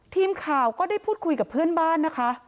ทีมข่าวก็ได้พูดคุยกับเพื่อนบ้านนะคะ